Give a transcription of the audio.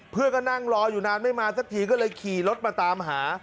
เพื่อนก็นั่งรออยู่นานไม่มาสักทีก็เลยขี่รถมาตามหา